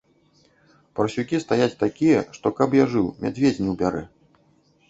Парсюкі стаяць такія, што, каб я жыў, мядзведзь не ўбярэ.